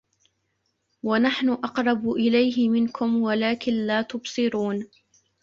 وَنَحْنُ أَقْرَبُ إِلَيْهِ مِنكُمْ وَلَكِن لّا تُبْصِرُونَ